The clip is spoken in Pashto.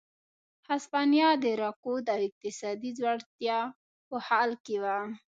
هسپانیا د رکود او اقتصادي ځوړتیا په حال کې وه.